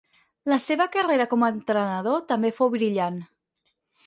La seva carrera com a entrenador també fou brillant.